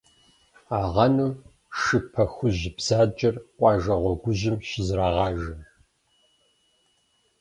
Агъэну шы пэхужь бзаджэр къуажэ гъуэгужьым щызэрагъажэ.